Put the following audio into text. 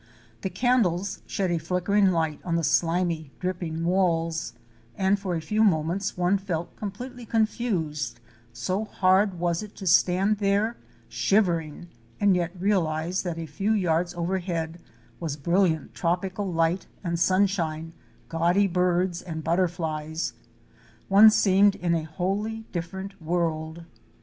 The candles shed a flickering light on the slimy, dripping walls and for a few moments one felt completely confused —so hard was it to stand there shivering and yet realize that a few yards overhead was brilliant tropical light and sunshine, gaudy birds and butter flies: One seemed in a wholly different world.